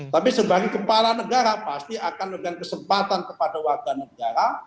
tapi sebagai kepala negara pasti akan memberikan kesempatan kepada warga negara